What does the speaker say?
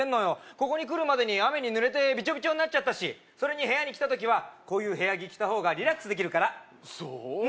ここに来るまでに雨にぬれてビチョビチョになったしそれに部屋に来た時はこういう部屋着着た方がリラックスできるからそう？